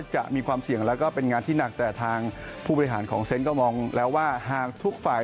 หวังไว้ได้อย่างแน่นอนนะครับ